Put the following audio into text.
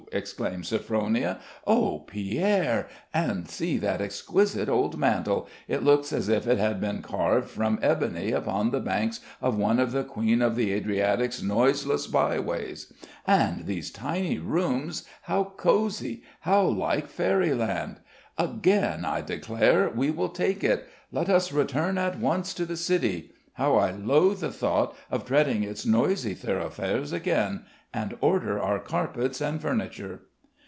exclaimed Sophronia; "oh Pierre! And see that exquisite old mantel; it looks as if it had been carved from ebony upon the banks of one of the Queen of the Adriatic's noiseless by ways. And these tiny rooms, how cozy how like fairy land! Again I declare, we will take it! Let us return at once to the city how I loathe the thought of treading its noisy thoroughfares again! and order our carpets and furniture."